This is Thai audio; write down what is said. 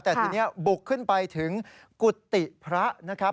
แต่ทีนี้บุกขึ้นไปถึงกุฏิพระนะครับ